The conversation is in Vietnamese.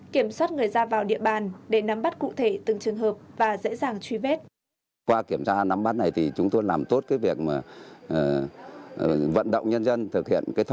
kiểm soát người ra vào địa bàn để nắm bắt cụ thể từng trường hợp và dễ dàng truy vết